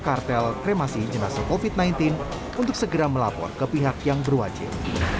kartel kremasi jenazah covid sembilan belas untuk segera melapor ke pihak yang berwajib